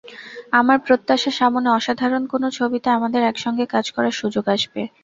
আমার প্রত্যাশা, সামনে অসাধারণ কোনো ছবিতে আমাদের একসঙ্গে কাজ করার সুযোগ আসবে।